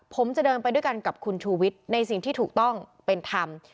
ผมจะเดินไปด้วยกันกับคุณชูวิทย์ในสิ่งที่ถูกต้องเป็นธรรม